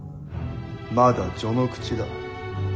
まだ序の口だ。